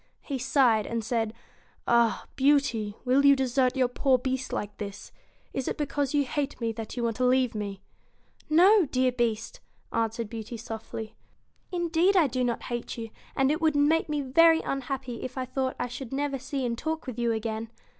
He sighed, and said: 'Ah! Beauty, will you desert your poor Beast like this ? Is it because you hate me that you want to leave me ?'' No, dear Beast,' answered Beauty, softly. ' Indeed I do not hate you, and it would make me very unhappy if I thought I should never see and talk with you again.